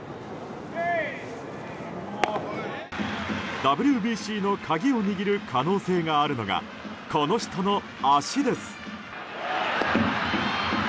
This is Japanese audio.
ＷＢＣの鍵を握る可能性があるのがこの人の足です。